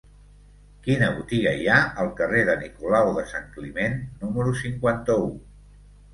Quina botiga hi ha al carrer de Nicolau de Sant Climent número cinquanta-u?